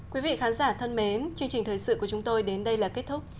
quý vị khán giả thân mến chương trình thời sự của chúng tôi đến đây là kết thúc